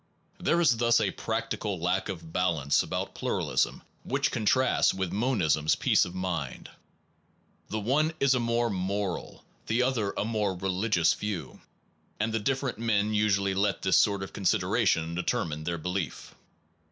There is thus a practical lack of balance about pluralism, which contrasts with mon ism s peace of mind. The one is a more moral, the other a more religious view; and different men usually let this sort of consideration deter mine their belief.